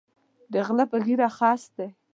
د غلۀ پۀ ږیره خس دی